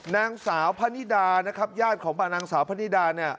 นางสาวพะนิดานะครับญาติของนางสาวพะนิดาเนี่ย